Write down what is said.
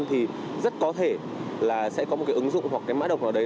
thì rất có thể sẽ có một ứng dụng hoặc mã đồng nào đấy